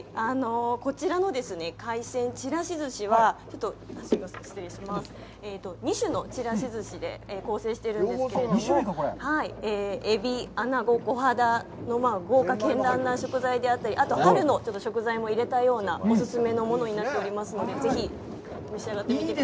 こちらの海鮮ちらし寿司は、２種のちらし寿司で構成しているんですけれども、エビ、アナゴ、コハダと豪華絢爛な食材であったり、春の食材も入れたようなお勧めのものになっておりますので、ぜひ召し上がってみてください。